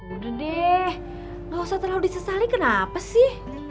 udah deh gak usah terlalu disesali kenapa sih